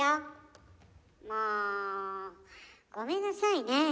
もうごめんなさいね。